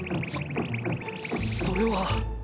そそれは。